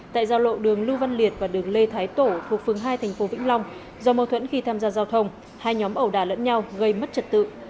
tại giao lộ đường lưu văn liệt và đường lê thái tổ thuộc phường hai tp vĩnh long do mâu thuẫn khi tham gia giao thông hai nhóm ẩu đà lẫn nhau gây mất trật tự